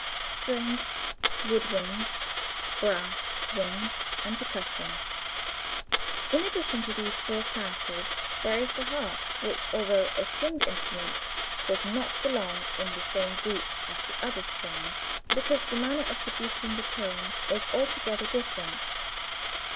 strings, wood wind, brass (wind) and percussion. In addition to these four classes, there is the harp, which although a stringed instrument, does not belong in the same group as the other strings because the manner of producing the tone is altogether different.